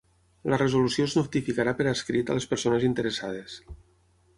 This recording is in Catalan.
La resolució es notificarà per escrit a les persones interessades.